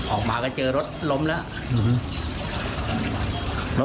ออกมาก็เจอรถล้มแล้ว